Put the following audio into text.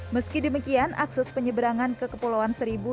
meski demikian akses penyeberangan ke kepulauan seribu